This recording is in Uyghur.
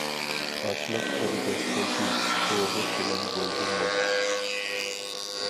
ئاشلىق بىر دەستە گۈل، ئوغۇت بىلەن بولدى مول.